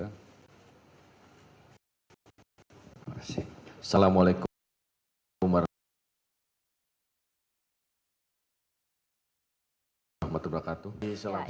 assalamualaikum warahmatullahi wabarakatuh